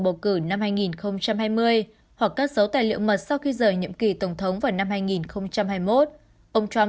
bầu cử năm hai nghìn hai mươi hoặc cất dấu tài liệu mật sau khi rời nhiệm kỳ tổng thống vào năm hai nghìn hai mươi một ông trump